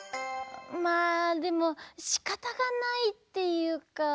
まあでもしかたがないっていうか。